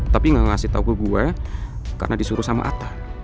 tapi gak ngasih tau gue karena disuruh sama atta